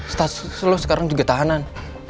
status lo sekarang juga tahanan